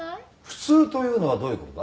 普通というのはどういう事だ？